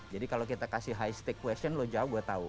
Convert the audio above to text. jadi kalau kita kasih high stake question lo jauh gue tau